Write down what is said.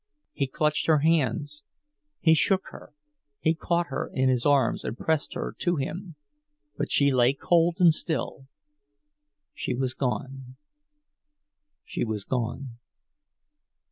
He clutched her hands, he shook her, he caught her in his arms and pressed her to him but she lay cold and still—she was gone—she was gone!